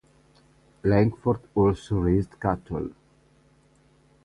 Langford also raised cattle.